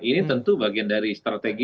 ini tentu bagian dari strategi